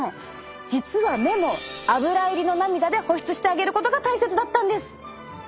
実は目もアブラ入りの涙で保湿してあげることが大切だったんです。